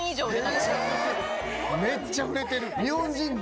めっちゃ売れてる！